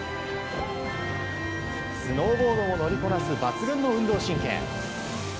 スノーボードも乗りこなす抜群の運動神経。